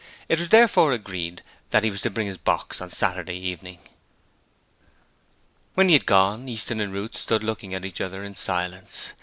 It was therefore agreed that he was to bring his box on Saturday evening. When he had gone, Easton and Ruth stood looking at each other in silence.